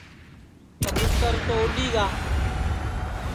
کٻُُوتر تو اُڈؔی گا